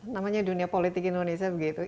namanya dunia politik indonesia begitu